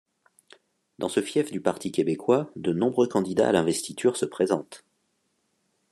Dans ce fief du Parti québécois, de nombreux candidats à l'investiture se présentent.